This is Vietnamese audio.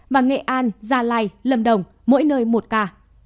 và nghệ an gia lai lâm đồng mỗi nơi một ca